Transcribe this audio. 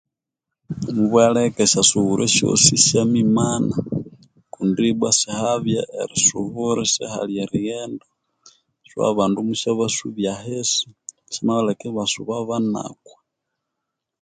Mubwaleke esyasubu esyosi syamimana kundi bwa sihabya erisubura sihali erighenda so abandu musyabasubya ahisi syamaleka ibasuba banakwa